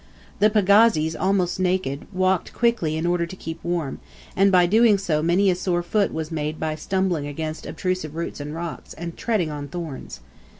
The pagazis, almost naked, walked quickly in order to keep warm, and by so doing many a sore foot was made by stumbling against obtrusive roots and rocks, and treading on thorns.